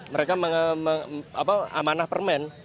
mereka amanah permen